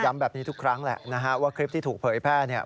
ย้ำแบบนี้ทุกครั้งแหละว่าคลิปที่ถูกเปิดเผื่อและแพร่